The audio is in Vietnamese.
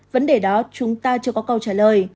vấn đề đó chúng ta chưa có câu trả lời